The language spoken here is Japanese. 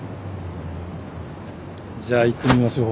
じゃあ行ってみましょう。